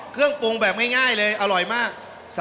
เครื่องปรุงแบบง่ายเลยอร่อยมาก